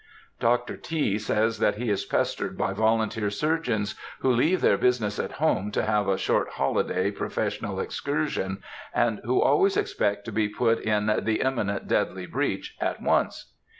Dr. T. says that he is pestered by volunteer surgeons, who leave their business at home to have a short holiday professional excursion, and who always expect to be put in the "imminent deadly breach" at once.